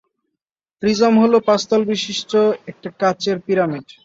Prism হলো পাঁচ তল বিশিষ্ট একটা কাচের পিরামিড।